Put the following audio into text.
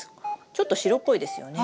ちょっと白っぽいですよね。